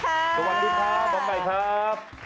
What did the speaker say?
สวัสดีครับหมอไก่ครับ